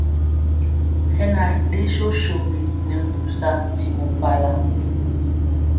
Hɛ na ri ɗe sosogi nɛ mpusa ntimɔ pala.